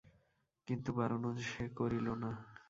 কিন্তু বারণও সে করিল না।